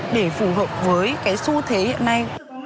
để phù hợp với cái xu thế hiện nay